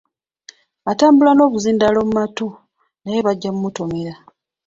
Atambula n’obuzindaalo mu matu naye bajja kumutomera.